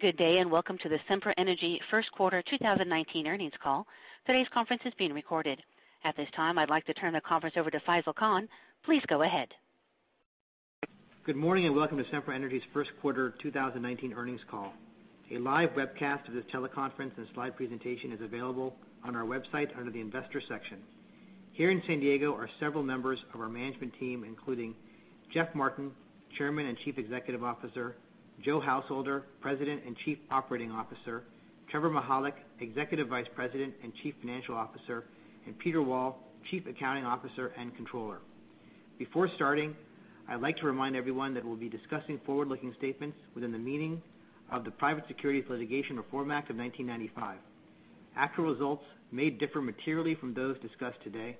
Good day, welcome to the Sempra Energy first quarter 2019 earnings call. Today's conference is being recorded. At this time, I'd like to turn the conference over to Faisel Khan. Please go ahead. Good morning, welcome to Sempra Energy's first quarter 2019 earnings call. A live webcast of this teleconference and slide presentation is available on our website under the investor section. Here in San Diego are several members of our management team, including Jeff Martin, Chairman and Chief Executive Officer, Joe Householder, President and Chief Operating Officer, Trevor Mihalik, Executive Vice President and Chief Financial Officer, and Peter Wall, Chief Accounting Officer and Controller. Before starting, I'd like to remind everyone that we'll be discussing forward-looking statements within the meaning of the Private Securities Litigation Reform Act of 1995. Actual results may differ materially from those discussed today.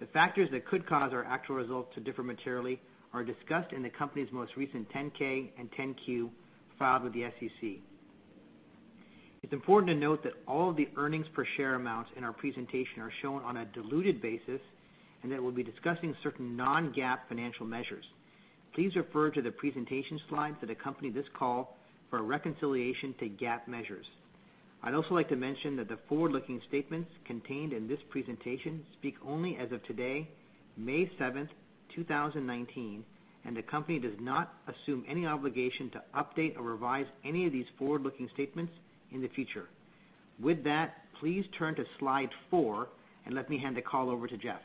The factors that could cause our actual results to differ materially are discussed in the company's most recent 10-K and 10-Q filed with the SEC. It's important to note that all the earnings per share amounts in our presentation are shown on a diluted basis, that we'll be discussing certain non-GAAP financial measures. Please refer to the presentation slides that accompany this call for a reconciliation to GAAP measures. I'd also like to mention that the forward-looking statements contained in this presentation speak only as of today, May 7, 2019, the company does not assume any obligation to update or revise any of these forward-looking statements in the future. With that, please turn to Slide four and let me hand the call over to Jeff.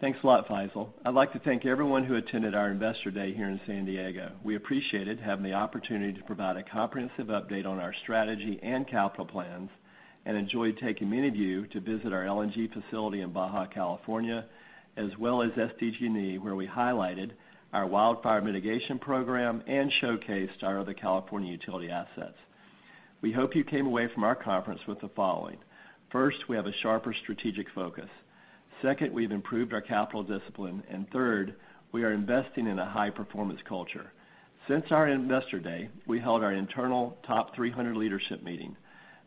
Thanks a lot, Faisel. I'd like to thank everyone who attended our investor day here in San Diego. We appreciated having the opportunity to provide a comprehensive update on our strategy and capital plans, enjoyed taking many of you to visit our LNG facility in Baja, California, as well as SDG&E, where we highlighted our wildfire mitigation program and showcased our other California utility assets. We hope you came away from our conference with the following. First, we have a sharper strategic focus. Second, we've improved our capital discipline, third, we are investing in a high-performance culture. Since our investor day, we held our internal top 300 leadership meeting.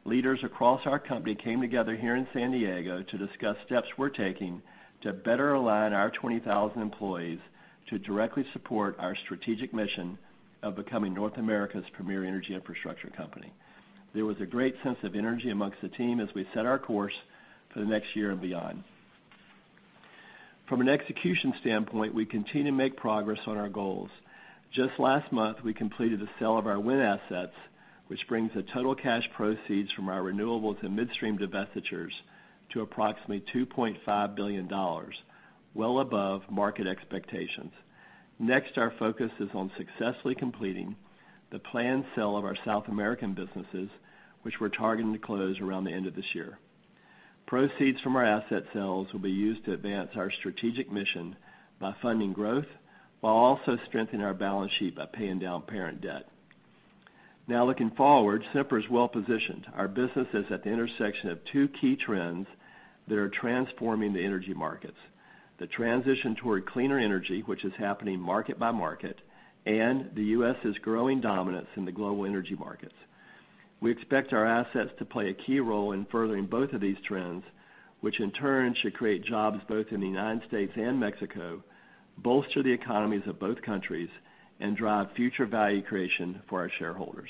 Leaders across our company came together here in San Diego to discuss steps we're taking to better align our 20,000 employees to directly support our strategic mission of becoming North America's premier energy infrastructure company. There was a great sense of energy amongst the team as we set our course for the next year and beyond. From an execution standpoint, we continue to make progress on our goals. Just last month, we completed the sale of our wind assets, which brings the total cash proceeds from our renewable to midstream divestitures to approximately $2.5 billion, well above market expectations. Our focus is on successfully completing the planned sale of our South American businesses, which we're targeting to close around the end of this year. Proceeds from our asset sales will be used to advance our strategic mission by funding growth, while also strengthening our balance sheet by paying down parent debt. Looking forward, Sempra is well-positioned. Our business is at the intersection of two key trends that are transforming the energy markets. The transition toward cleaner energy, which is happening market by market, the U.S.'s growing dominance in the global energy markets. We expect our assets to play a key role in furthering both of these trends, which in turn should create jobs both in the U.S. and Mexico, bolster the economies of both countries, and drive future value creation for our shareholders.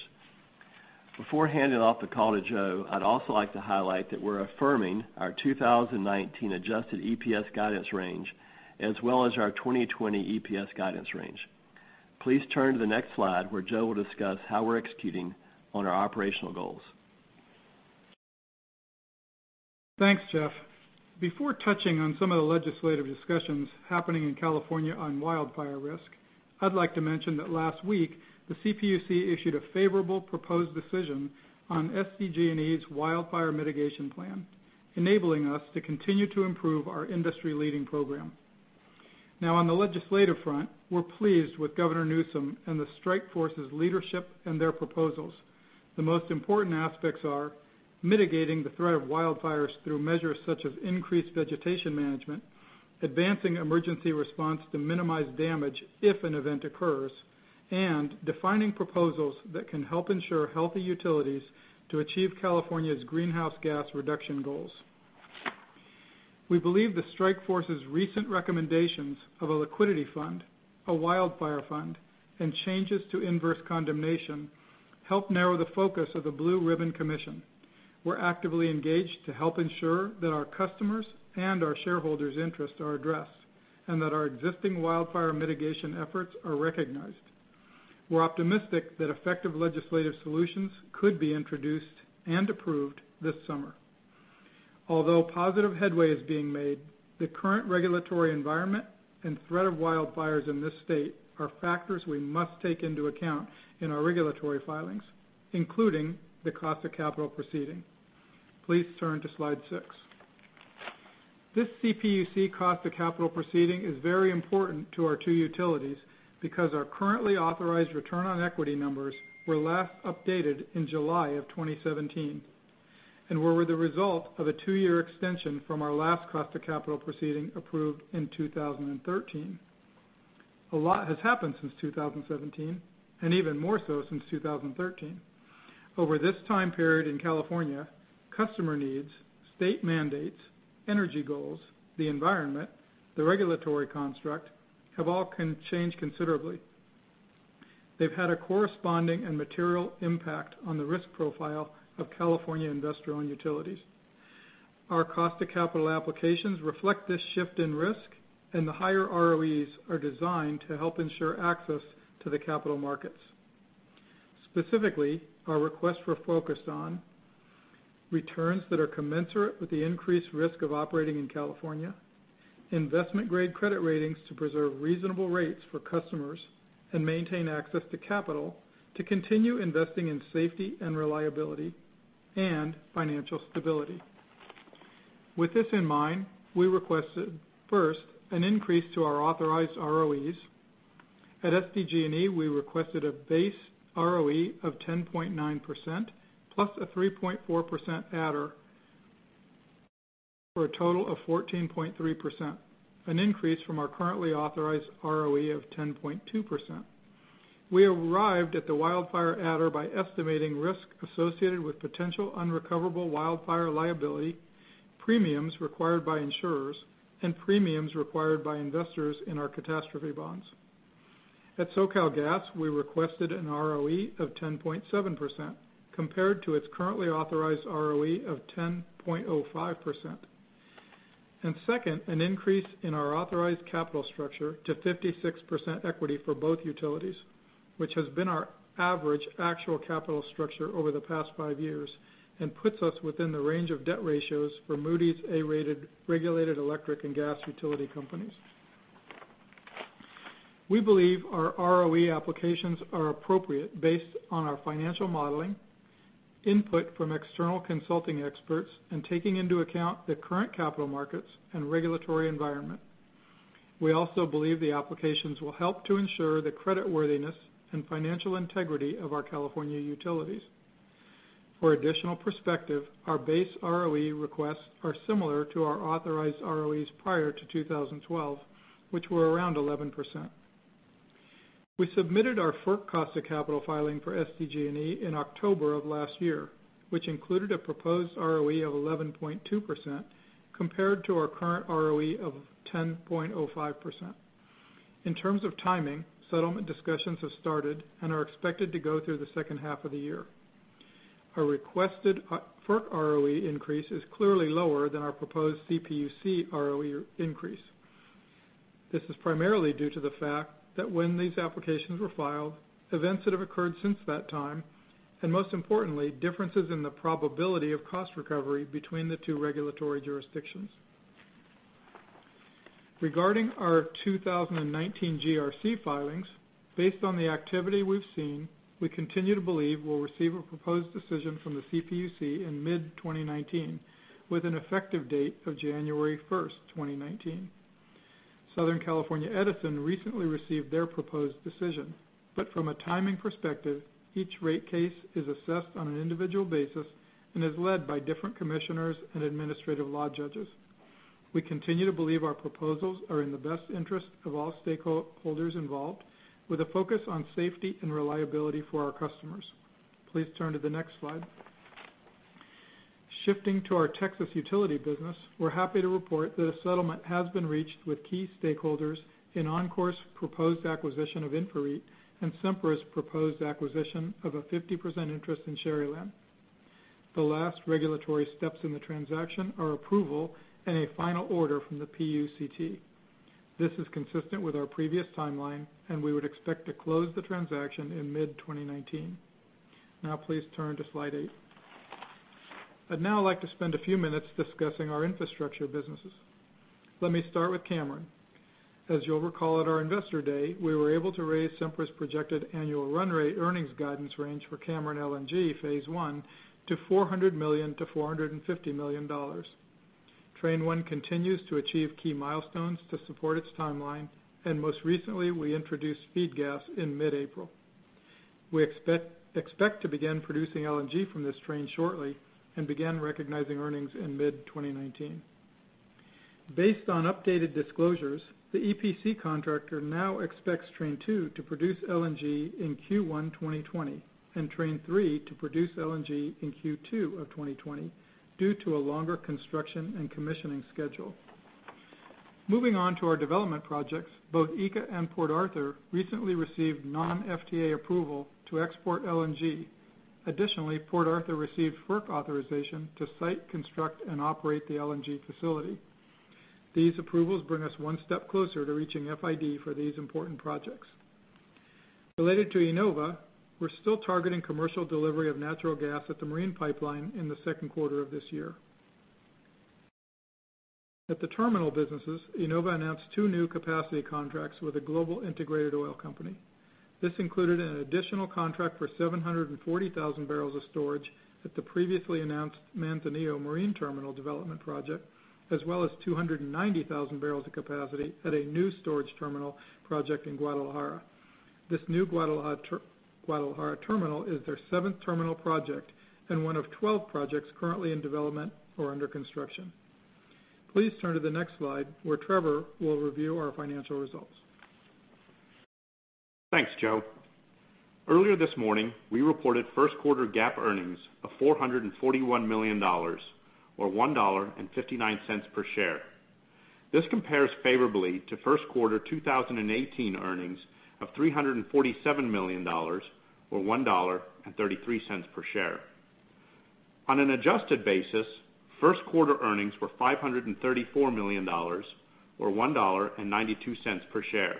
Before handing off the call to Joe, I'd also like to highlight that we're affirming our 2019 adjusted EPS guidance range, as well as our 2020 EPS guidance range. Please turn to the next slide, where Joe will discuss how we're executing on our operational goals. Thanks, Jeff. Before touching on some of the legislative discussions happening in California on wildfire risk, I'd like to mention that last week, the CPUC issued a favorable proposed decision on SDG&E's wildfire mitigation plan, enabling us to continue to improve our industry-leading program. On the legislative front, we're pleased with Governor Newsom and the strike force's leadership and their proposals. The most important aspects are mitigating the threat of wildfires through measures such as increased vegetation management, advancing emergency response to minimize damage if an event occurs, and defining proposals that can help ensure healthy utilities to achieve California's greenhouse gas reduction goals. We believe the strike force's recent recommendations of a liquidity fund, a wildfire fund, and changes to inverse condemnation helped narrow the focus of the Blue Ribbon Commission. We're actively engaged to help ensure that our customers' and our shareholders' interests are addressed, that our existing wildfire mitigation efforts are recognized. We're optimistic that effective legislative solutions could be introduced and approved this summer. Positive headway is being made, the current regulatory environment and threat of wildfires in this state are factors we must take into account in our regulatory filings, including the cost of capital proceeding. Please turn to Slide six. This CPUC cost of capital proceeding is very important to our two utilities because our currently authorized return on equity numbers were last updated in July of 2017 and were the result of a two-year extension from our last cost of capital proceeding approved in 2013. A lot has happened since 2017, and even more so since 2013. Over this time period in California, customer needs, state mandates, energy goals, the environment, the regulatory construct, have all changed considerably. They've had a corresponding and material impact on the risk profile of California investor-owned utilities. Our cost of capital applications reflect this shift in risk, and the higher ROEs are designed to help ensure access to the capital markets. Specifically, our requests were focused on returns that are commensurate with the increased risk of operating in California, investment-grade credit ratings to preserve reasonable rates for customers and maintain access to capital to continue investing in safety and reliability, and financial stability. With this in mind, we requested, first, an increase to our authorized ROEs. At SDG&E, we requested a base ROE of 10.9%, plus a 3.4% adder for a total of 14.3%, an increase from our currently authorized ROE of 10.2%. We arrived at the wildfire adder by estimating risk associated with potential unrecoverable wildfire liability, premiums required by insurers, and premiums required by investors in our catastrophe bonds. At SoCalGas, we requested an ROE of 10.7%, compared to its currently authorized ROE of 10.05%. Second, an increase in our authorized capital structure to 56% equity for both utilities, which has been our average actual capital structure over the past five years and puts us within the range of debt ratios for Moody's A-rated regulated electric and gas utility companies. We believe our ROE applications are appropriate based on our financial modeling, input from external consulting experts, and taking into account the current capital markets and regulatory environment. We also believe the applications will help to ensure the creditworthiness and financial integrity of our California utilities. For additional perspective, our base ROE requests are similar to our authorized ROEs prior to 2012, which were around 11%. We submitted our FERC cost of capital filing for SDG&E in October of last year, which included a proposed ROE of 11.2% compared to our current ROE of 10.05%. In terms of timing, settlement discussions have started and are expected to go through the second half of the year. Our requested FERC ROE increase is clearly lower than our proposed CPUC ROE increase. This is primarily due to the fact that when these applications were filed, events that have occurred since that time, and most importantly, differences in the probability of cost recovery between the two regulatory jurisdictions. Regarding our 2019 GRC filings, based on the activity we've seen, we continue to believe we'll receive a proposed decision from the CPUC in mid-2019, with an effective date of January 1st, 2019. Southern California Edison recently received their proposed decision. From a timing perspective, each rate case is assessed on an individual basis and is led by different commissioners and administrative law judges. We continue to believe our proposals are in the best interest of all stakeholders involved, with a focus on safety and reliability for our customers. Please turn to the next slide. Shifting to our Texas utility business, we're happy to report that a settlement has been reached with key stakeholders in Oncor's proposed acquisition of InfraREIT and Sempra's proposed acquisition of a 50% interest in Sharyland. The last regulatory steps in the transaction are approval and a final order from the PUCT. This is consistent with our previous timeline. We would expect to close the transaction in mid-2019. Now please turn to slide eight. I'd now like to spend a few minutes discussing our infrastructure businesses. Let me start with Cameron. As you'll recall at our Investor Day, we were able to raise Sempra's projected annual run rate earnings guidance range for Cameron LNG Phase 1 to $400 million to $450 million. Train 1 continues to achieve key milestones to support its timeline. Most recently, we introduced feed gas in mid-April. We expect to begin producing LNG from this train shortly and begin recognizing earnings in mid-2019. Based on updated disclosures, the EPC contractor now expects Train 2 to produce LNG in Q1 2020 and Train 3 to produce LNG in Q2 2020 due to a longer construction and commissioning schedule. Moving on to our development projects, both ECA and Port Arthur recently received non-FTA approval to export LNG. Additionally, Port Arthur received FERC authorization to site, construct, and operate the LNG facility. These approvals bring us one step closer to reaching FID for these important projects. Related to IEnova, we're still targeting commercial delivery of natural gas at the marine pipeline in the second quarter of this year. At the terminal businesses, IEnova announced two new capacity contracts with a global integrated oil company. This included an additional contract for 740,000 barrels of storage at the previously announced Manzanillo Marine Terminal development project, as well as 290,000 barrels of capacity at a new storage terminal project in Guadalajara. This new Guadalajara terminal is their seventh terminal project and one of 12 projects currently in development or under construction. Please turn to the next slide where Trevor will review our financial results. Thanks, Joe. Earlier this morning, we reported first quarter GAAP earnings of $441 million, or $1.59 per share. This compares favorably to first quarter 2018 earnings of $347 million, or $1.33 per share. On an adjusted basis, first-quarter earnings were $534 million, or $1.92 per share.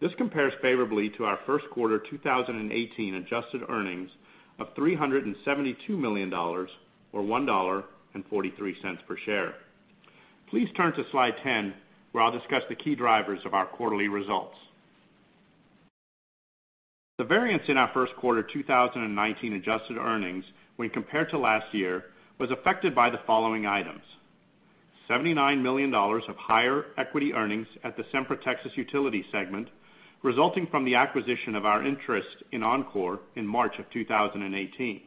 This compares favorably to our first quarter 2018 adjusted earnings of $372 million, or $1.43 per share. Please turn to slide 10, where I'll discuss the key drivers of our quarterly results. The variance in our first quarter 2019 adjusted earnings when compared to last year was affected by the following items. $79 million of higher equity earnings at the Sempra Texas Utilities segment, resulting from the acquisition of our interest in Oncor in March 2018.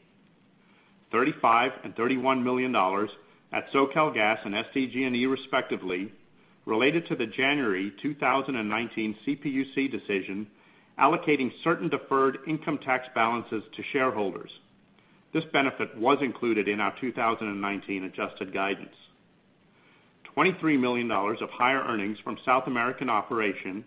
$35 million and $31 million at SoCalGas and SDG&E respectively, related to the January 2019 CPUC decision allocating certain deferred income tax balances to shareholders. This benefit was included in our 2019 adjusted guidance. $23 million of higher earnings from South American operation,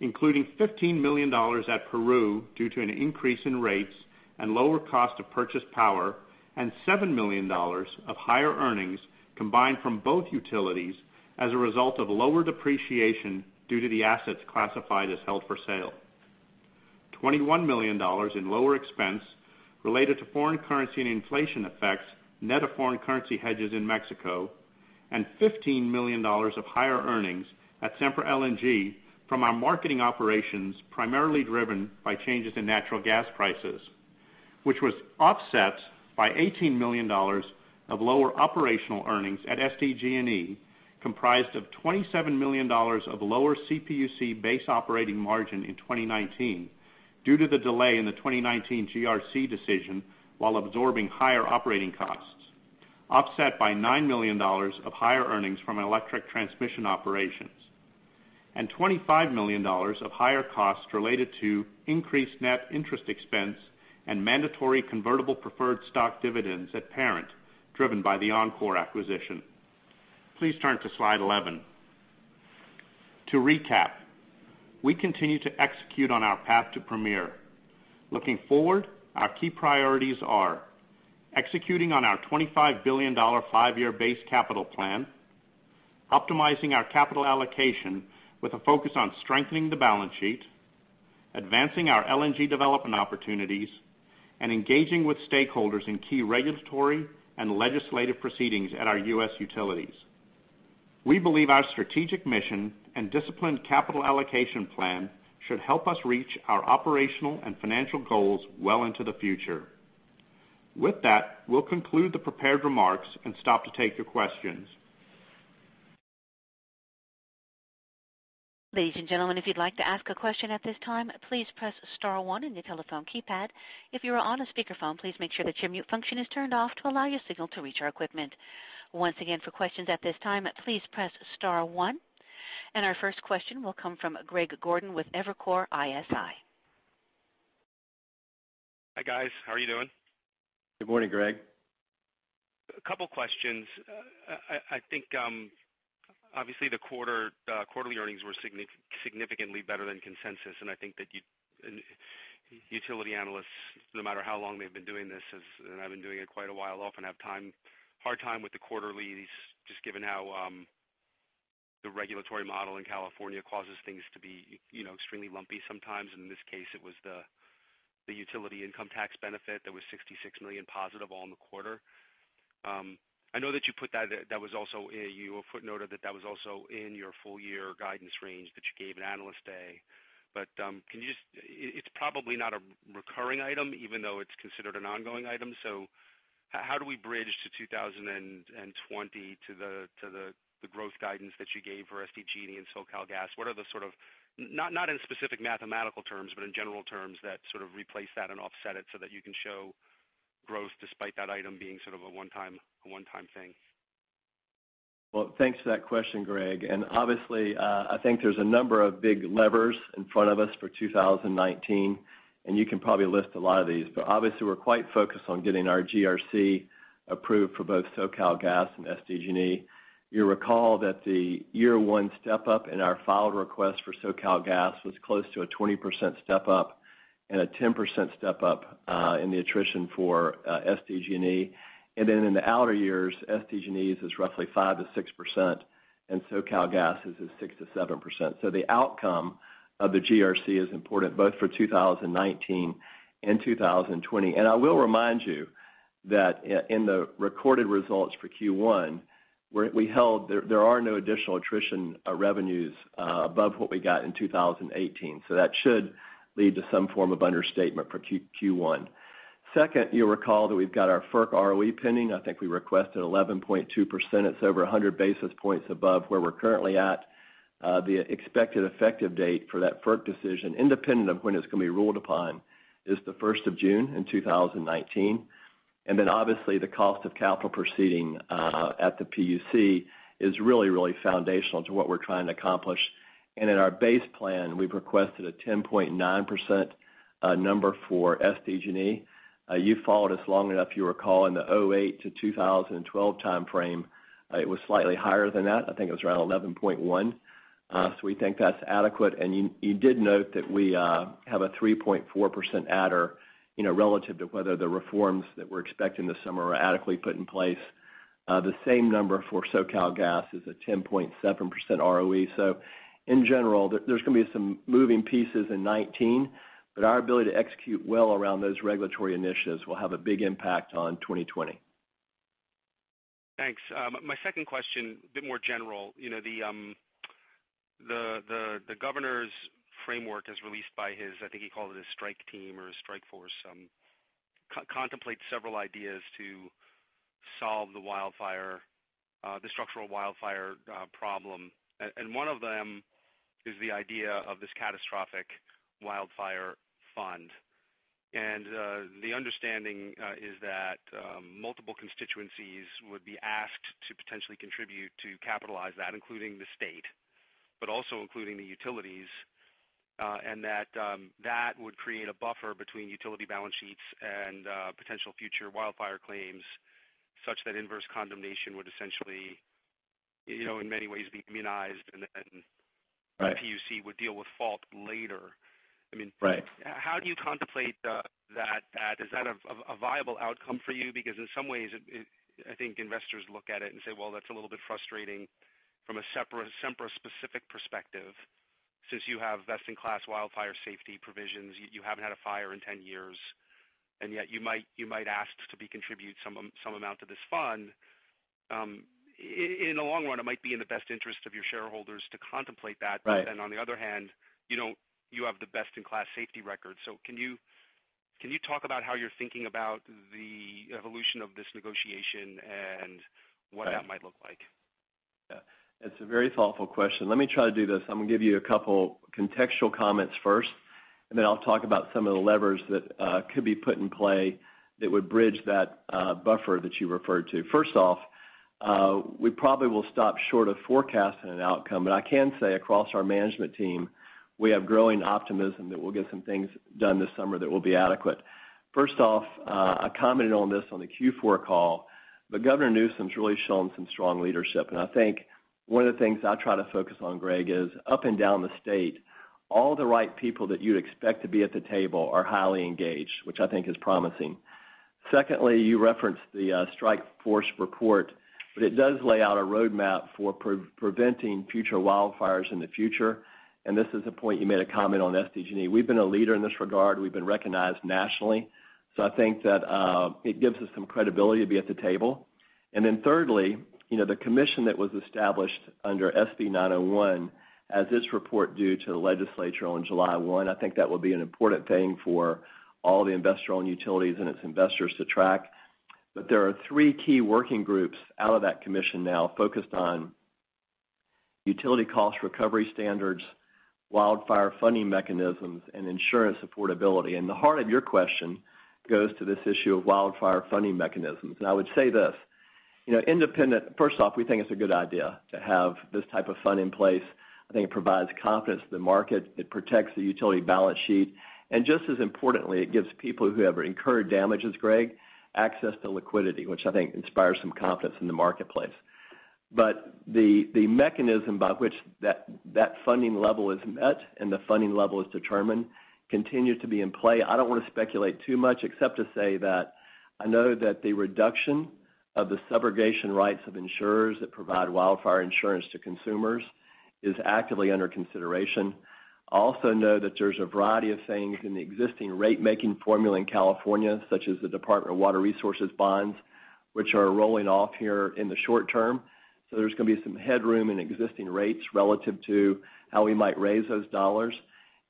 including $15 million at Peru due to an increase in rates and lower cost of purchased power, and $7 million of higher earnings combined from both utilities as a result of lower depreciation due to the assets classified as held for sale. $21 million in lower expense related to foreign currency and inflation effects net of foreign currency hedges in Mexico, $15 million of higher earnings at Sempra LNG from our marketing operations, primarily driven by changes in natural gas prices, which was offset by $18 million of lower operational earnings at SDG&E, comprised of $27 million of lower CPUC base operating margin in 2019 due to the delay in the 2019 GRC decision while absorbing higher operating costs, offset by $9 million of higher earnings from electric transmission operations, and $25 million of higher costs related to increased net interest expense and mandatory convertible preferred stock dividends at parent, driven by the Oncor acquisition. Please turn to slide 11. To recap, we continue to execute on our path to premier. Looking forward, our key priorities are executing on our $25 billion five-year base capital plan, optimizing our capital allocation with a focus on strengthening the balance sheet, advancing our LNG development opportunities, and engaging with stakeholders in key regulatory and legislative proceedings at our U.S. utilities. We believe our strategic mission and disciplined capital allocation plan should help us reach our operational and financial goals well into the future. With that, we'll conclude the prepared remarks and stop to take your questions. Ladies and gentlemen, if you'd like to ask a question at this time, please press *1 on your telephone keypad. If you are on a speakerphone, please make sure that your mute function is turned off to allow your signal to reach our equipment. Once again, for questions at this time, please press *1. Our first question will come from Greg Gordon with Evercore ISI. Hi, guys. How are you doing? Good morning, Greg. A couple questions. I think, obviously, the quarterly earnings were significantly better than consensus, and I think that utility analysts, no matter how long they've been doing this, and I've been doing it quite a while, often have hard time with the quarterlies, just given how the regulatory model in California causes things to be extremely lumpy sometimes. In this case, it was the utility income tax benefit that was $66 million positive on the quarter. I know that you footnoted that that was also in your full-year guidance range that you gave at Analyst Day. It's probably not a recurring item, even though it's considered an ongoing item. How do we bridge to 2020 to the growth guidance that you gave for SDG&E and SoCalGas? What are the sort of, not in specific mathematical terms, but in general terms, that sort of replace that and offset it so that you can show growth despite that item being sort of a one-time thing? Well, thanks for that question, Greg. Obviously, I think there's a number of big levers in front of us for 2019, and you can probably list a lot of these, but obviously we're quite focused on getting our GRC approved for both SoCalGas and SDG&E. You'll recall that the year one step-up in our filed request for SoCalGas was close to a 20% step-up and a 10% step-up in the attrition for SDG&E. In the outer years, SDG&E's is roughly 5%-6%, and SoCalGas's is 6%-7%. The outcome of the GRC is important both for 2019 and 2020. I will remind you that in the recorded results for Q1, there are no additional attrition revenues above what we got in 2018, so that should lead to some form of understatement for Q1. Second, you'll recall that we've got our FERC ROE pending. I think we requested 11.2%. It's over 100 basis points above where we're currently at. The expected effective date for that FERC decision, independent of when it's going to be ruled upon, is the 1st of June in 2019. Then obviously the cost of capital proceeding, at the PUC is really foundational to what we're trying to accomplish. In our base plan, we've requested a 10.9% number for SDG&E. You followed us long enough, you recall in the 2008-2012 timeframe, it was slightly higher than that. I think it was around 11.1%. We think that's adequate. You did note that we have a 3.4% adder, relative to whether the reforms that we're expecting this summer are adequately put in place. The same number for SoCalGas is a 10.7% ROE. In general, there's going to be some moving pieces in 2019, but our ability to execute well around those regulatory initiatives will have a big impact on 2020. Thanks. My second question, a bit more general. The governor's framework as released by his, I think he called it his strike team or his strike force, contemplates several ideas to solve the structural wildfire problem. One of them is the idea of this catastrophic wildfire fund. The understanding is that multiple constituencies would be asked to potentially contribute to capitalize that, including the state, but also including the utilities, and that would create a buffer between utility balance sheets and potential future wildfire claims, such that inverse condemnation would essentially, in many ways be immunized. Right The PUC would deal with fault later. I mean. Right How do you contemplate that? Is that a viable outcome for you? In some ways, I think investors look at it and say, "Well, that's a little bit frustrating from a Sempra specific perspective, since you have best-in-class wildfire safety provisions, you haven't had a fire in 10 years, and yet you might ask to contribute some amount to this fund." In the long run, it might be in the best interest of your shareholders to contemplate that. Right. On the other hand, you have the best-in-class safety record. Can you talk about how you're thinking about the evolution of this negotiation and what that might look like? Yeah. It's a very thoughtful question. Let me try to do this. I'm going to give you a couple contextual comments first, then I'll talk about some of the levers that could be put in play that would bridge that buffer that you referred to. First off, we probably will stop short of forecasting an outcome. I can say across our management team, we have growing optimism that we'll get some things done this summer that will be adequate. First off, I commented on this on the Q4 call. Governor Newsom's really shown some strong leadership. I think one of the things I try to focus on, Greg, is up and down the state, all the right people that you'd expect to be at the table are highly engaged, which I think is promising. Secondly, you referenced the strike force report, it does lay out a roadmap for preventing future wildfires in the future. This is a point you made a comment on, SDG&E. We've been a leader in this regard. We've been recognized nationally. I think that it gives us some credibility to be at the table. Thirdly, the commission that was established under SB-901, has its report due to the legislature on July 1. I think that will be an important thing for all the investor-owned utilities and its investors to track. There are three key working groups out of that commission now focused on utility cost recovery standards, wildfire funding mechanisms, and insurance affordability. The heart of your question goes to this issue of wildfire funding mechanisms. I would say this, first off, we think it's a good idea to have this type of fund in place. I think it provides confidence to the market. It protects the utility balance sheet. Just as importantly, it gives people who have incurred damages, Greg, access to liquidity, which I think inspires some confidence in the marketplace. The mechanism by which that funding level is met and the funding level is determined, continue to be in play. I don't want to speculate too much except to say that I know that the reduction of the subrogation rights of insurers that provide wildfire insurance to consumers is actively under consideration. I also know that there's a variety of things in the existing rate-making formula in California, such as the Department of Water Resources bonds, which are rolling off here in the short term. There's going to be some headroom in existing rates relative to how we might raise those dollars.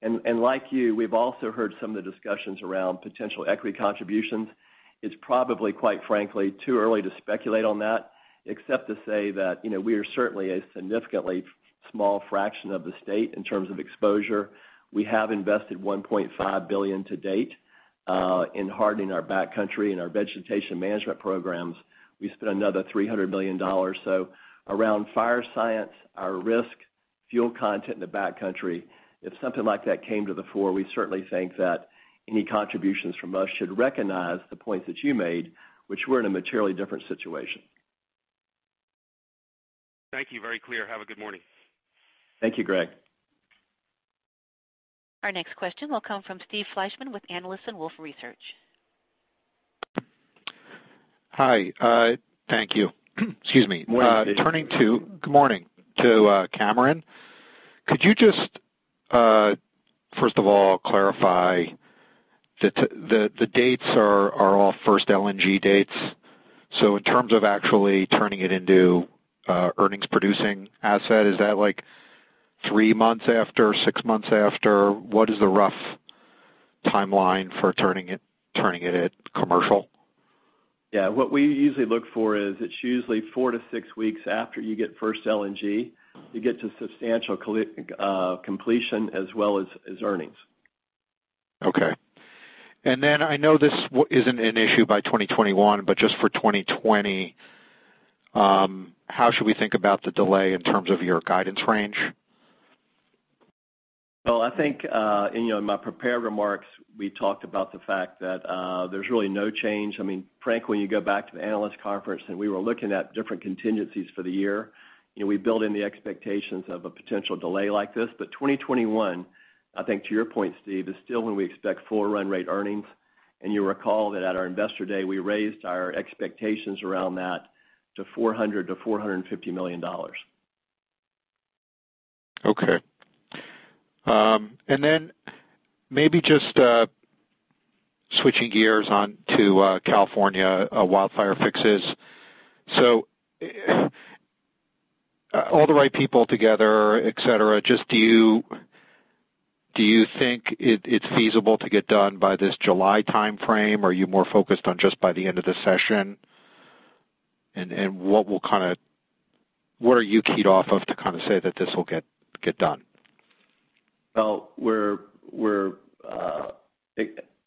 Like you, we've also heard some of the discussions around potential equity contributions. It's probably, quite frankly, too early to speculate on that, except to say that we are certainly a significantly small fraction of the state in terms of exposure. We have invested $1.5 billion to date in hardening our backcountry and our vegetation management programs. We spent another $300 million. Around fire science, our risk, fuel content in the backcountry, if something like that came to the fore, we certainly think that any contributions from us should recognize the points that you made, which we're in a materially different situation. Thank you. Very clear. Have a good morning. Thank you, Greg. Our next question will come from Steve Fleishman with analyst and Wolfe Research. Hi. Thank you. Excuse me. Morning, Steve. Good morning. Turning to Cameron, could you just, first of all, clarify the dates are all first LNG dates. In terms of actually turning it into an earnings-producing asset, is that three months after, six months after? What is the rough timeline for turning it commercial? Yeah. What we usually look for is it's usually four to six weeks after you get first LNG, you get to substantial completion as well as earnings. Okay. I know this isn't an issue by 2021, but just for 2020, how should we think about the delay in terms of your guidance range? Well, I think, in my prepared remarks, we talked about the fact that there's really no change. Frank, when you go back to the analyst conference, and we were looking at different contingencies for the year, we built in the expectations of a potential delay like this. 2021, I think to your point, Steve, is still when we expect full run rate earnings. You'll recall that at our investor day, we raised our expectations around that to $400 million-$450 million. Okay. Maybe just switching gears on to California wildfire fixes. All the right people together, et cetera. Do you think it's feasible to get done by this July timeframe, or are you more focused on just by the end of the session? What are you keyed off of to say that this will get done? Well, we're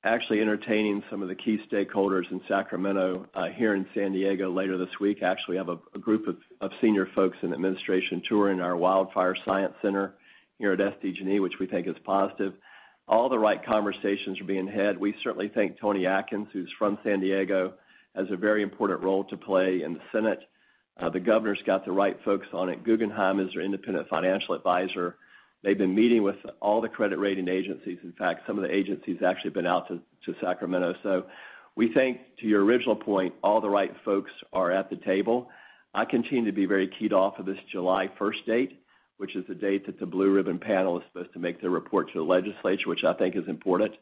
actually entertaining some of the key stakeholders in Sacramento here in San Diego later this week. Actually have a group of senior folks in administration touring our wildfire science center here at SDG&E, which we think is positive. All the right conversations are being had. We certainly think Toni Atkins, who's from San Diego, has a very important role to play in the Senate. The governor's got the right folks on it. Guggenheim is their independent financial advisor. They've been meeting with all the credit rating agencies. In fact, some of the agencies actually have been out to Sacramento. We think, to your original point, all the right folks are at the table. I continue to be very keyed off of this July 1st date, which is the date that the Blue Ribbon panel is supposed to make their report to the legislature, which I think is important.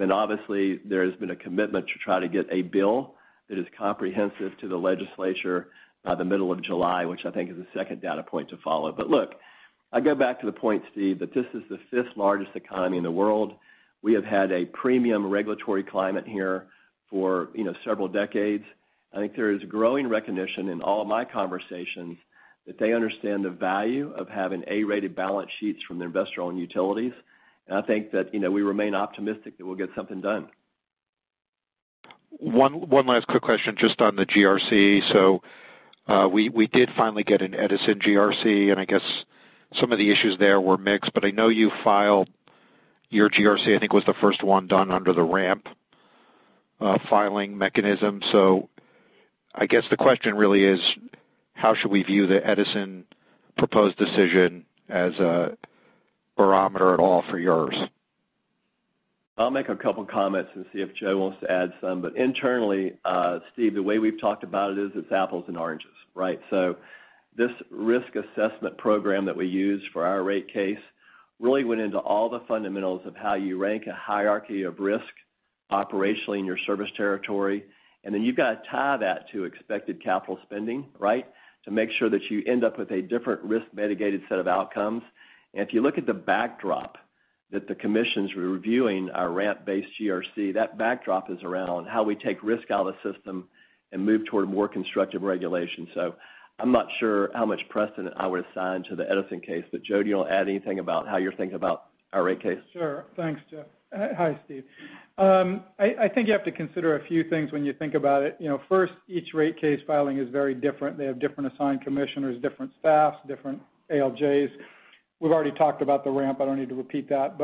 Obviously, there has been a commitment to try to get a bill that is comprehensive to the legislature by the middle of July, which I think is the second data point to follow. Look, I go back to the point, Steve, that this is the 5th largest economy in the world. We have had a premium regulatory climate here for several decades. I think there is growing recognition in all my conversations that they understand the value of having A-rated balance sheets from their investor-owned utilities. I think that we remain optimistic that we'll get something done. One last quick question, just on the GRC. We did finally get an Edison GRC, I guess some of the issues there were mixed, I know you filed your GRC, I think was the first one done under the RAMP filing mechanism. I guess the question really is how should we view the Edison proposed decision as a barometer at all for yours? I'll make a couple comments and see if Joe wants to add some. Internally, Steve, the way we've talked about it is it's apples and oranges, right? This risk assessment program that we use for our rate case really went into all the fundamentals of how you rank a hierarchy of risk operationally in your service territory. You've got to tie that to expected capital spending, right? To make sure that you end up with a different risk mitigated set of outcomes. If you look at the backdrop that the commission's reviewing our RAMP-based GRC, that backdrop is around how we take risk out of the system and move toward more constructive regulation. I'm not sure how much precedent I would assign to the Edison case. Joe, do you want to add anything about how you're thinking about our rate case? Sure. Thanks, Jeff. Hi, Steve. I think you have to consider a few things when you think about it. First, each rate case filing is very different. They have different assigned commissioners, different staffs, different ALJs. We've already talked about the RAMP. I don't need to repeat that.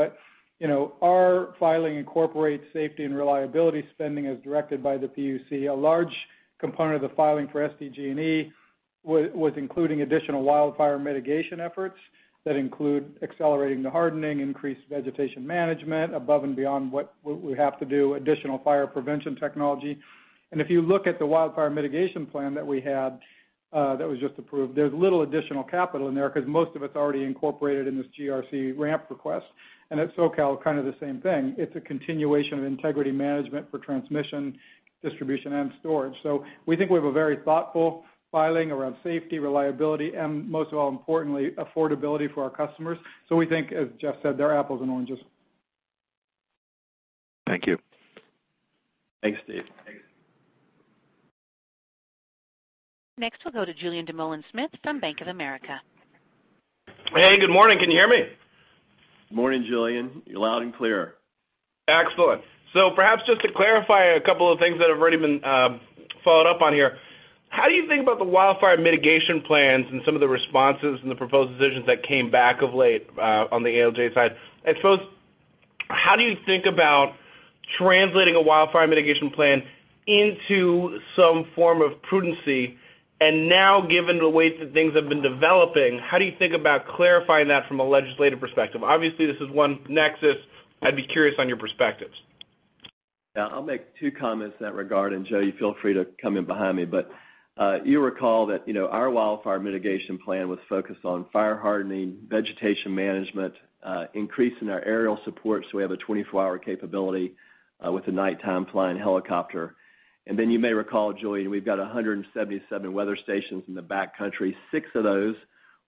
Our filing incorporates safety and reliability spending as directed by the PUC. A large component of the filing for SDG&E was including additional wildfire mitigation efforts that include accelerating the hardening, increased vegetation management above and beyond what we have to do, additional fire prevention technology. If you look at the wildfire mitigation plan that we had that was just approved, there's little additional capital in there because most of it's already incorporated in this GRC RAMP request. At SoCal, kind of the same thing. It's a continuation of integrity management for transmission, distribution, and storage. We think we have a very thoughtful filing around safety, reliability, and most of all, importantly, affordability for our customers. We think, as Jeff said, they're apples and oranges. Thank you. Thanks, Steve. Thanks. Next, we'll go to Julien Dumoulin-Smith from Bank of America. Hey, good morning. Can you hear me? Morning, Julien. You're loud and clear. Excellent. Perhaps just to clarify a couple of things that have already been followed up on here. How do you think about the wildfire mitigation plans and some of the responses and the proposed decisions that came back of late on the ALJ side? I suppose, how do you think about translating a wildfire mitigation plan into some form of prudency? Now, given the way that things have been developing, how do you think about clarifying that from a legislative perspective? Obviously, this is one nexus. I'd be curious on your perspectives. Yeah, I'll make two comments in that regard, and Joe, you feel free to come in behind me. You recall that our wildfire mitigation plan was focused on fire hardening, vegetation management, increasing our aerial support, so we have a 24-hour capability with a nighttime flying helicopter. You may recall, Julien, we've got 177 weather stations in the backcountry. Six of those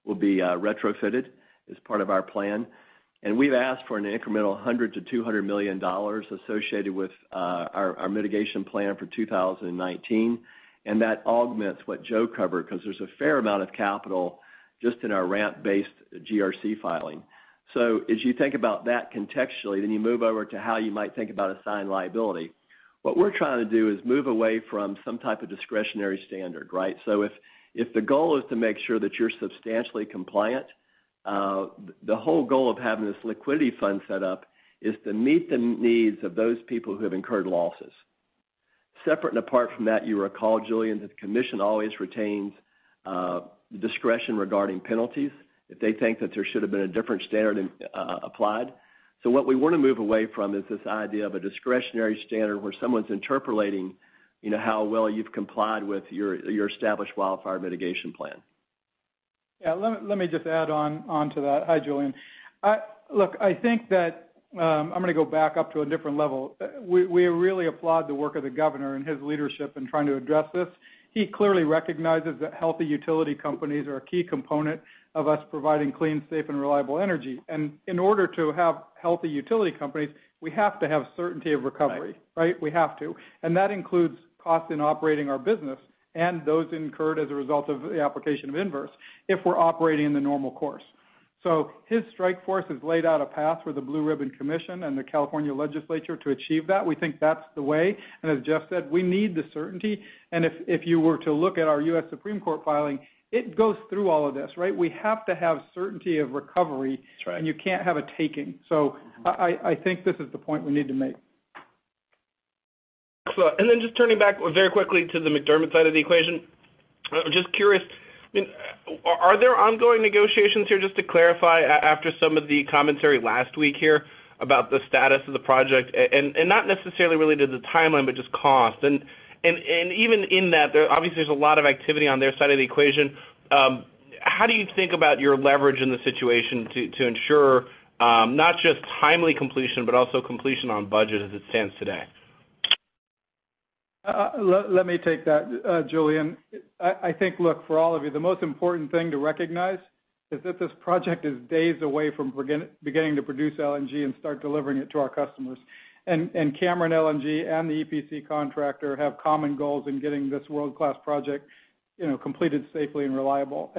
will be retrofitted as part of our plan. We've asked for an incremental $100 million-$200 million associated with our mitigation plan for 2019, and that augments what Joe covered because there's a fair amount of capital just in our RAMP-based GRC filing. As you think about that contextually, then you move over to how you might think about assigned liability. What we're trying to do is move away from some type of discretionary standard, right? If the goal is to make sure that you're substantially compliant, the whole goal of having this liquidity fund set up is to meet the needs of those people who have incurred losses. Separate and apart from that, you recall, Julien, that the commission always retains discretion regarding penalties if they think that there should've been a different standard applied. What we want to move away from is this idea of a discretionary standard where someone's interpolating how well you've complied with your established wildfire mitigation plan. Yeah. Let me just add on to that. Hi, Julien. Look, I think that I'm going to go back up to a different level. We really applaud the work of the Governor and his leadership in trying to address this. He clearly recognizes that healthy utility companies are a key component of us providing clean, safe, and reliable energy. In order to have healthy utility companies, we have to have certainty of recovery. Right. Right? We have to. That includes cost in operating our business and those incurred as a result of the application of inverse if we're operating in the normal course. His strike force has laid out a path for the Blue Ribbon Commission and the California Legislature to achieve that. We think that's the way, and as Jeff said, we need the certainty. If you were to look at our U.S. Supreme Court filing, it goes through all of this, right? We have to have certainty of recovery. That's right. You can't have a taking. I think this is the point we need to make. Excellent. Then just turning back very quickly to the McDermott side of the equation, just curious, are there ongoing negotiations here, just to clarify, after some of the commentary last week here about the status of the project? Not necessarily related to the timeline, but just cost. Even in that, obviously, there's a lot of activity on their side of the equation. How do you think about your leverage in the situation to ensure not just timely completion, but also completion on budget as it stands today? Let me take that, Julien. I think, look, for all of you, the most important thing to recognize is that this project is days away from beginning to produce LNG and start delivering it to our customers. Cameron LNG and the EPC contractor have common goals in getting this world-class project completed safely and reliable.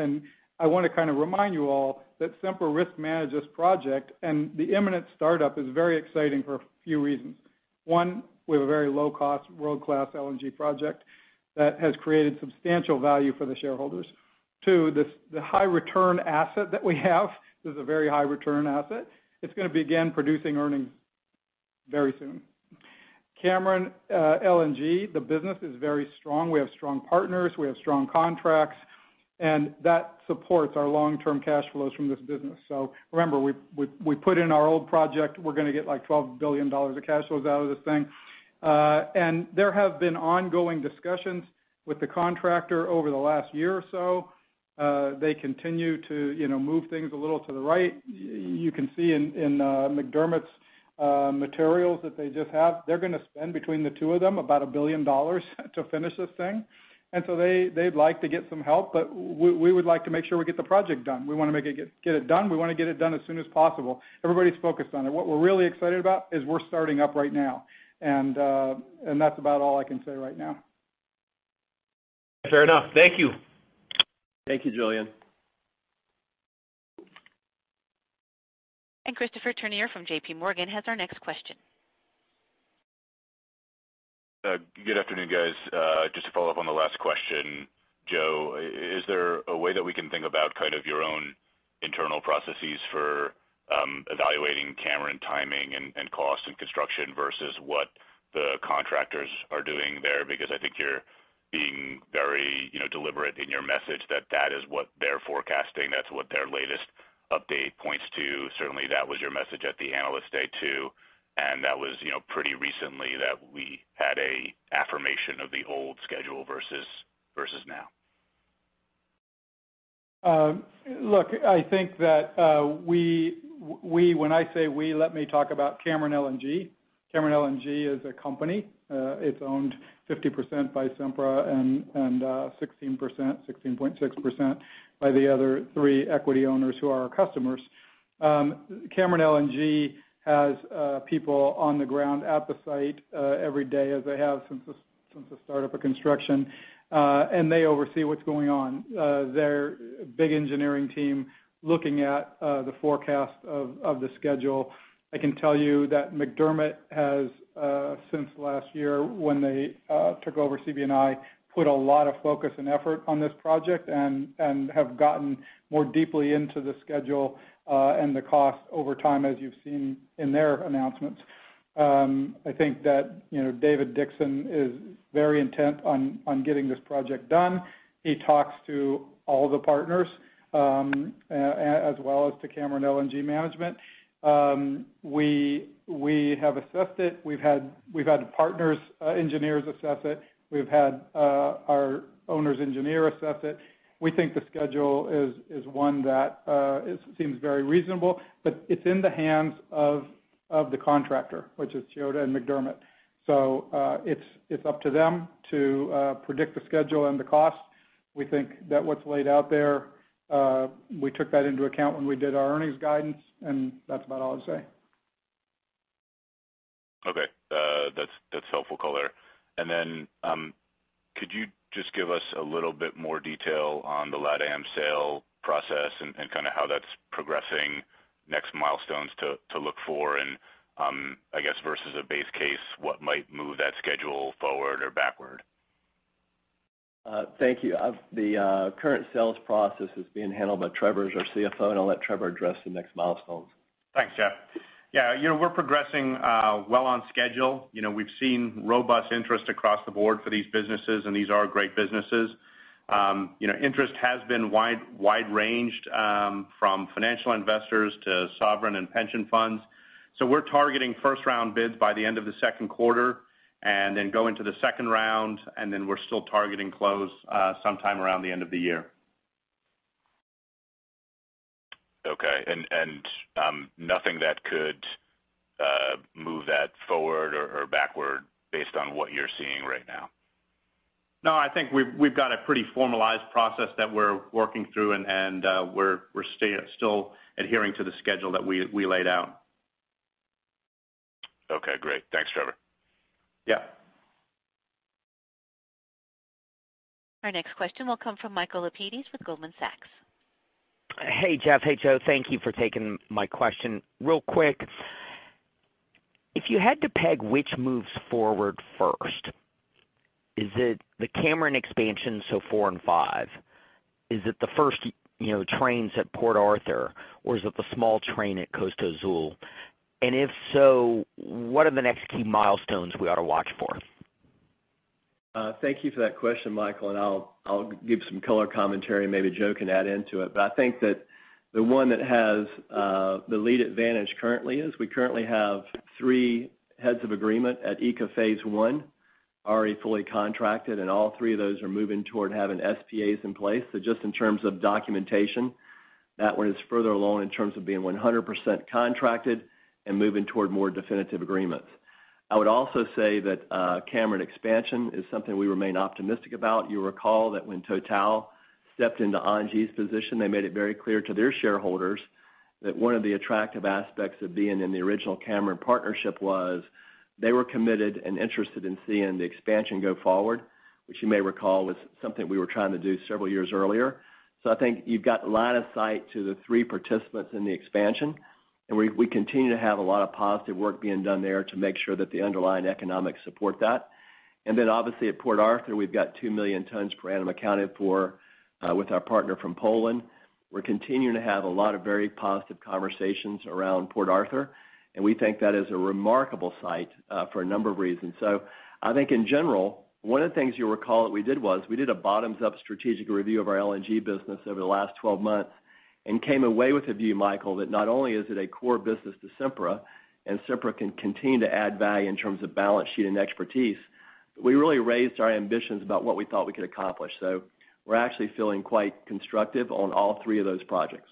I want to kind of remind you all that Sempra risk managed this project, and the imminent startup is very exciting for a few reasons. One, we have a very low-cost, world-class LNG project that has created substantial value for the shareholders. Two, the high return asset that we have is a very high return asset. It's going to begin producing earnings very soon. Cameron LNG, the business is very strong. We have strong partners, we have strong contracts, and that supports our long-term cash flows from this business. Remember, we put in our old project, we're going to get like $12 billion of cash flows out of this thing. There have been ongoing discussions with the contractor over the last year or so. They continue to move things a little to the right. You can see in McDermott's materials that they just have. They're going to spend between the two of them about $1 billion to finish this thing. They'd like to get some help, but we would like to make sure we get the project done. We want to get it done. We want to get it done as soon as possible. Everybody's focused on it. What we're really excited about is we're starting up right now, and that's about all I can say right now. Fair enough. Thank you. Thank you, Julien. Christopher Turnure from JPMorgan has our next question. Good afternoon, guys. Just to follow up on the last question. Joe, is there a way that we can think about kind of your own internal processes for evaluating Cameron LNG timing and cost and construction versus what the contractors are doing there? I think you're being very deliberate in your message that is what they're forecasting, that's what their latest update points to. Certainly, that was your message at the Analyst Day, too. That was pretty recently that we had an affirmation of the old schedule versus now. Look, I think that we, when I say we, let me talk about Cameron LNG. Cameron LNG is a company. It's owned 50% by Sempra and 16.6% by the other three equity owners who are our customers. Cameron LNG has people on the ground at the site every day as they have since the start of a construction. They oversee what's going on. Their big engineering team looking at the forecast of the schedule. I can tell you that McDermott has, since last year when they took over CB&I, put a lot of focus and effort on this project and have gotten more deeply into the schedule, and the cost over time as you've seen in their announcements. I think that David Dixon is very intent on getting this project done. He talks to all the partners, as well as to Cameron LNG management. We have assessed it. We've had partners' engineers assess it. We've had our owner's engineer assess it. We think the schedule is one that seems very reasonable, but it's in the hands of the contractor, which is Chiyoda and McDermott. It's up to them to predict the schedule and the cost. We think that what's laid out there, we took that into account when we did our earnings guidance, that's about all I'd say. Okay. That's helpful color. Could you just give us a little bit more detail on the LatAm sale process and how that's progressing, next milestones to look for, and, I guess versus a base case, what might move that schedule forward or backward? Thank you. The current sales process is being handled by Trevor, who's our CFO, and I'll let Trevor address the next milestones. Thanks, Jeff. Yeah, we're progressing well on schedule. We've seen robust interest across the board for these businesses, and these are great businesses. Interest has been wide-ranged from financial investors to sovereign and pension funds. We're targeting first-round bids by the end of the second quarter, then go into the second round, then we're still targeting close sometime around the end of the year. Okay. Nothing that could move that forward or backward based on what you're seeing right now? I think we have got a pretty formalized process that we are working through, and we are still adhering to the schedule that we laid out. Great. Thanks, Trevor. Yeah. Our next question will come from Michael Lapides with Goldman Sachs. Hey, Jeff. Hey, Joe. Thank you for taking my question. Real quick, if you had to peg which moves forward first, is it the Cameron expansion, so four and five? Is it the first trains at Port Arthur, or is it the small train at Costa Azul? If so, what are the next key milestones we ought to watch for? Thank you for that question, Michael. I'll give some color commentary, maybe Joe can add into it. I think that the one that has the lead advantage currently is we currently have three heads of agreement at ECA Phase 1 already fully contracted, and all three of those are moving toward having SPAs in place. Just in terms of documentation, that one is further along in terms of being 100% contracted and moving toward more definitive agreements. I would also say that Cameron expansion is something we remain optimistic about. You'll recall that when Total stepped into ENGIE's position, they made it very clear to their shareholders that one of the attractive aspects of being in the original Cameron partnership was they were committed and interested in seeing the expansion go forward, which you may recall was something we were trying to do several years earlier. I think you've got line of sight to the three participants in the expansion, and we continue to have a lot of positive work being done there to make sure that the underlying economics support that. Obviously, at Port Arthur, we've got 2 million tons per annum accounted for with our partner from Poland. We're continuing to have a lot of very positive conversations around Port Arthur, and we think that is a remarkable site for a number of reasons. I think in general, one of the things you'll recall that we did was we did a bottoms-up strategic review of our LNG business over the last 12 months and came away with a view, Michael, that not only is it a core business to Sempra and Sempra can continue to add value in terms of balance sheet and expertise, but we really raised our ambitions about what we thought we could accomplish. We're actually feeling quite constructive on all three of those projects.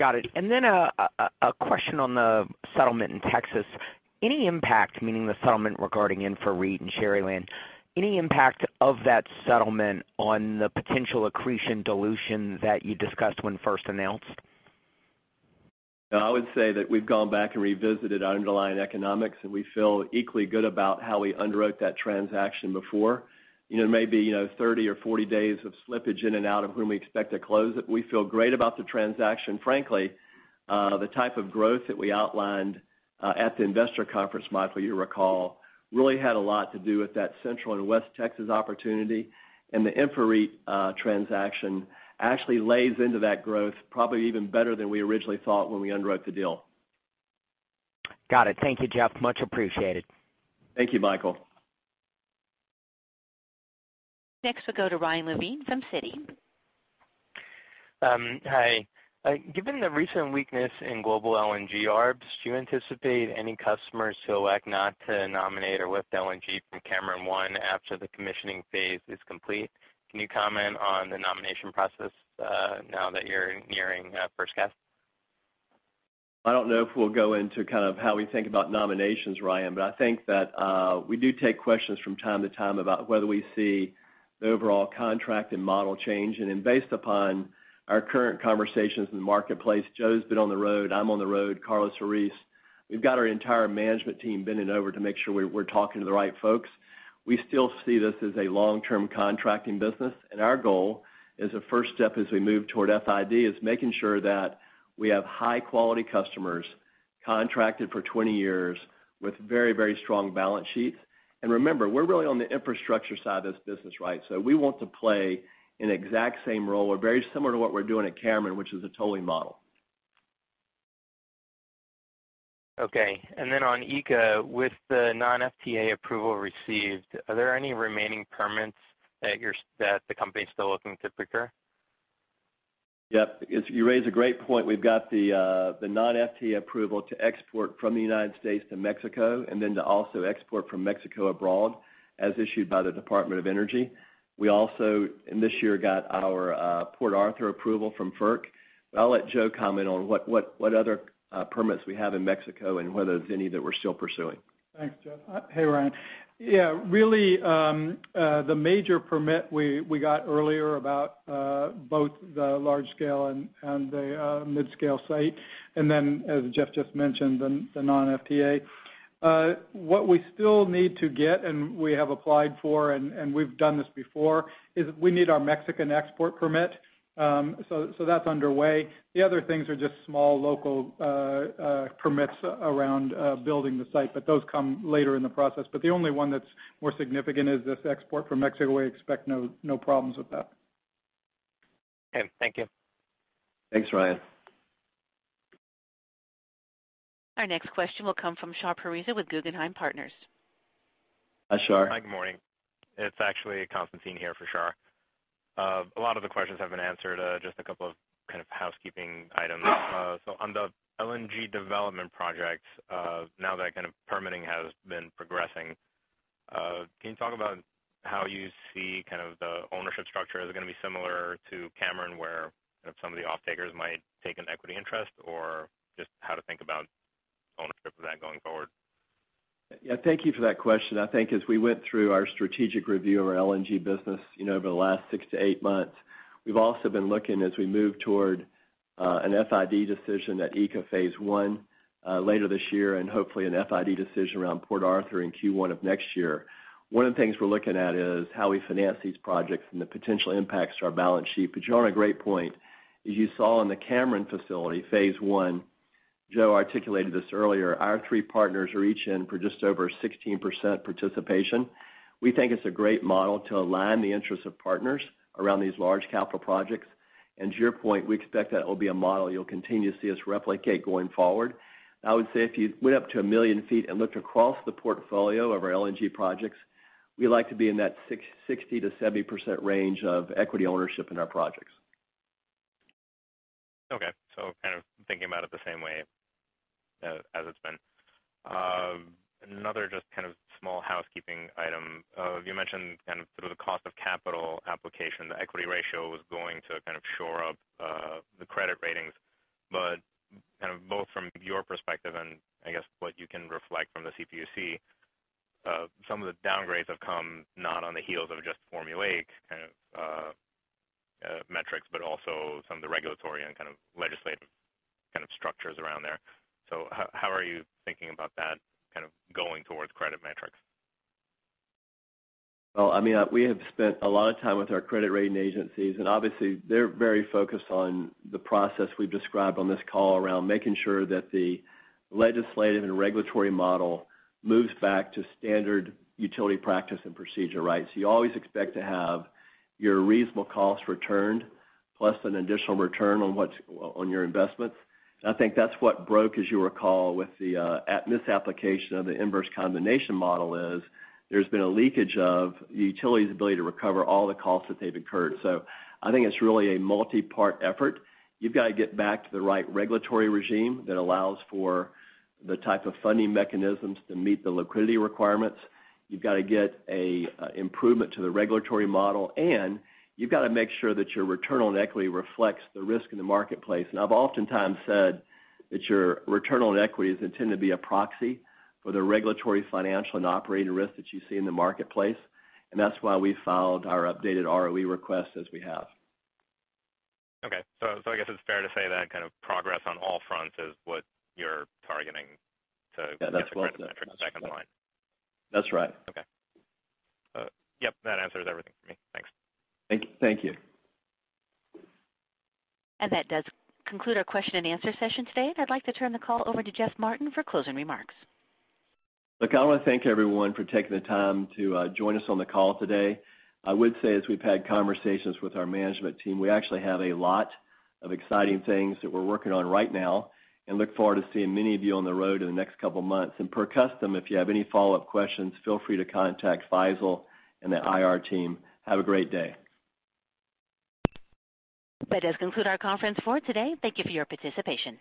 Got it. A question on the settlement in Texas. Any impact, meaning the settlement regarding InfraREIT and Sharyland, any impact of that settlement on the potential accretion dilution that you discussed when first announced? No, I would say that we've gone back and revisited our underlying economics, and we feel equally good about how we underwrote that transaction before. There may be 30 or 40 days of slippage in and out of when we expect to close it. We feel great about the transaction. Frankly, the type of growth that we outlined at the investor conference, Michael, you recall, really had a lot to do with that Central and West Texas opportunity. The InfraREIT transaction actually plays into that growth probably even better than we originally thought when we underwrote the deal. Got it. Thank you, Jeff. Much appreciated. Thank you, Michael. Next, we'll go to Ryan Levine from Citi. Hi. Given the recent weakness in global LNG ARBs, do you anticipate any customers who elect not to nominate or lift LNG from Cameron 1 after the commissioning phase is complete? Can you comment on the nomination process now that you're nearing first gas? I don't know if we'll go into kind of how we think about nominations, Ryan, I think that we do take questions from time to time about whether we see the overall contract and model change. Based upon our current conversations in the marketplace, Joe's been on the road, I'm on the road, Carlos Ruiz, we've got our entire management team bending over to make sure we're talking to the right folks. We still see this as a long-term contracting business, our goal as a first step as we move toward FID is making sure that we have high-quality customers contracted for 20 years with very strong balance sheets. Remember, we're really on the infrastructure side of this business, we want to play an exact same role. We're very similar to what we're doing at Cameron, which is a tolling model. Okay. On ECA, with the non-FTA approval received, are there any remaining permits that the company's still looking to procure? Yep. You raise a great point. We've got the non-FTA approval to export from the United States to Mexico and to also export from Mexico abroad as issued by the Department of Energy. We also in this year got our Port Arthur approval from FERC. I'll let Joe comment on what other permits we have in Mexico and whether there's any that we're still pursuing. Thanks, Jeff. Hey, Ryan. Really, the major permit we got earlier about both the large scale and the mid-scale site, as Jeff just mentioned, the non-FTA What we still need to get, and we have applied for, and we've done this before, is we need our Mexican export permit. That's underway. The other things are just small local permits around building the site, those come later in the process. The only one that's more significant is this export from Mexico. We expect no problems with that. Okay. Thank you. Thanks, Ryan. Our next question will come from Shahriar Pourreza with Guggenheim Partners. Hi, Shar. Hi, good morning. It's actually Constantine here for Shar. A lot of the questions have been answered, just a couple of kind of housekeeping items. On the LNG development project, now that kind of permitting has been progressing, can you talk about how you see kind of the ownership structure? Is it going to be similar to Cameron where kind of some of the offtakers might take an equity interest? Or just how to think about ownership of that going forward. Thank you for that question. I think as we went through our strategic review of our LNG business over the last six to eight months, we've also been looking as we move toward an FID decision at ECA Phase I later this year, and hopefully an FID decision around Port Arthur in Q1 of next year. One of the things we're looking at is how we finance these projects and the potential impacts to our balance sheet. You're on a great point. As you saw in the Cameron facility, Phase I, Joe articulated this earlier, our three partners are each in for just over 16% participation. We think it's a great model to align the interests of partners around these large capital projects. To your point, we expect that it'll be a model you'll continue to see us replicate going forward. I would say if you went up to 1 million feet and looked across the portfolio of our LNG projects, we like to be in that 60%-70% range of equity ownership in our projects. Okay. Kind of thinking about it the same way as it's been. Another just kind of small housekeeping item. You mentioned kind of sort of the cost of capital application, the equity ratio was going to kind of shore up the credit ratings. Kind of both from your perspective and I guess what you can reflect from the CPUC, some of the downgrades have come not on the heels of just Formula 8 kind of metrics, but also some of the regulatory and kind of legislative kind of structures around there. How are you thinking about that kind of going towards credit metrics? Well, we have spent a lot of time with our credit rating agencies, obviously they're very focused on the process we've described on this call around making sure that the legislative and regulatory model moves back to standard utility practice and procedure, right? You always expect to have your reasonable costs returned plus an additional return on your investments. I think that's what broke, as you recall, with the misapplication of the inverse condemnation model is there's been a leakage of the utility's ability to recover all the costs that they've incurred. I think it's really a multi-part effort. You've got to get back to the right regulatory regime that allows for the type of funding mechanisms to meet the liquidity requirements. You've got to get an improvement to the regulatory model, you've got to make sure that your return on equity reflects the risk in the marketplace. I've oftentimes said that your return on equities intend to be a proxy for the regulatory financial and operating risk that you see in the marketplace, that's why we filed our updated ROE request as we have. Okay. I guess it's fair to say that kind of progress on all fronts is what you're targeting. Yeah, that's correct. get the credit metrics back in line. That's right. Okay. Yep, that answers everything for me. Thanks. Thank you. That does conclude our question and answer session today. I'd like to turn the call over to Jeff Martin for closing remarks. Look, I want to thank everyone for taking the time to join us on the call today. I would say as we've had conversations with our management team, we actually have a lot of exciting things that we're working on right now and look forward to seeing many of you on the road in the next couple of months. Per custom, if you have any follow-up questions, feel free to contact Faisel and the IR team. Have a great day. That does conclude our conference for today. Thank you for your participation.